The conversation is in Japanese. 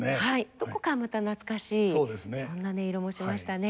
どこかまた懐かしいそんな音色もしましたね。